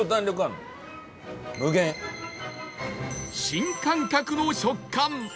新感覚の食感